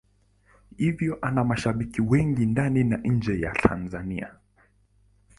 Hivyo ana mashabiki wengi ndani na nje ya Tanzania.